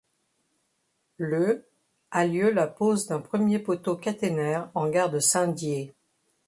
Le a lieu la pose d'un premier poteau caténaire en gare de Saint-Dié.